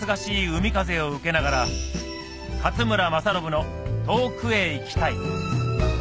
海風を受けながら勝村政信の『遠くへ行きたい』